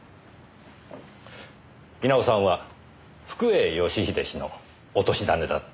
稲尾さんは福栄義英氏の落としだねだった。